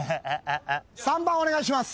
３番お願いします。